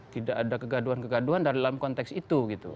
tidak ada kegaduan kegaduan dalam konteks itu gitu